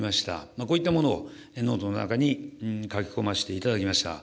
こういったものをノートの中に書き込ませていただきました。